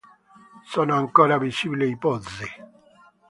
Sono ancora visibili i pozzi.